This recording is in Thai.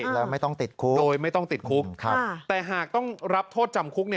แล้วไม่ต้องติดคุกโดยไม่ต้องติดคุกแต่หากต้องรับโทษจำคุก